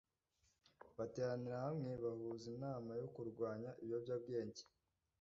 bateranira hamwe bahuza inama yo kurwanya ibiyobyabwenge